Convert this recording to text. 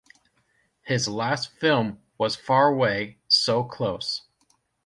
His last film was Faraway, So Close!